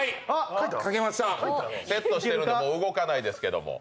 セットしたらもう動かないですけども。